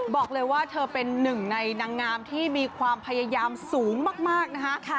บอกเลยว่าเธอเป็นหนึ่งในนางงามที่มีความพยายามสูงมากนะคะ